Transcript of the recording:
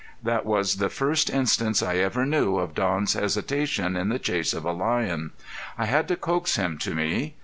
That was the first instance I ever knew of Don's hesitation in the chase of a lion. I had to coax him to me.